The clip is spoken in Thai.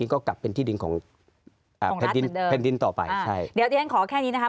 ก็กลับเป็นที่ดินของอ่าแผ่นดินแผ่นดินต่อไปใช่เดี๋ยวดิฉันขอแค่นี้นะคะ